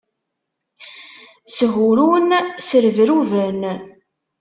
Shurun, srebruben.